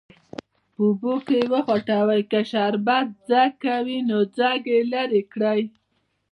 په اوبو کې وخوټوئ که شربت ځګ کوي نو ځګ یې لرې کړئ.